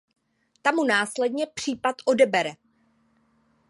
Ta mu následně případ odebere.